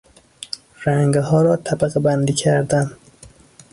رنگها را طبقهبندی کردن